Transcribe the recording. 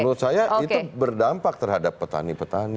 maksudnya itu dikonsumsi oleh petani petani